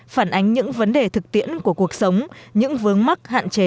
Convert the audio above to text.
phản ánh những vấn đề thực tiễn của cuộc sống những vướng mắc hạn chế